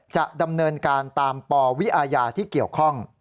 จะดำเนินการตามปวิอาญาที่เกี่ยวข้อง